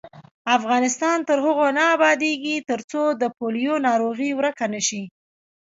افغانستان تر هغو نه ابادیږي، ترڅو د پولیو ناروغي ورکه نشي.